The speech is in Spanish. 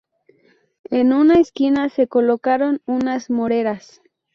En una esquina se colocaron unas moreras.